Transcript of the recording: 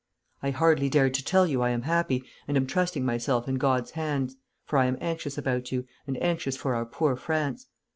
I hardly dare to tell you I am happy, and am trusting myself in God's hands, for I am anxious about you, and anxious for our poor France.